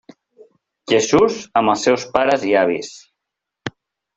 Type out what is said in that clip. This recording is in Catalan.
Jesús amb els seus pares i avis.